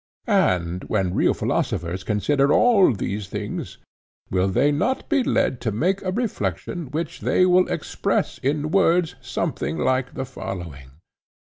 And when real philosophers consider all these things, will they not be led to make a reflection which they will express in words something like the following?